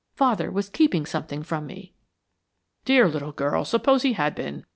Father was keeping something from me!" "Dear little girl, suppose he had been?